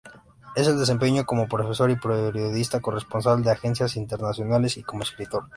Él se desempeñó como profesor y periodista, corresponsal de agencias internacionales y como escritor.